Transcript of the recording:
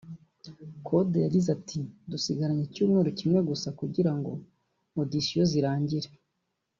Kode yagize ati " Dusigaranye icyumweru kimwe gusa kugirango auditions zirangire